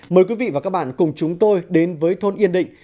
mời quý vị và các bạn cùng chúng tôi đến với thôn yên định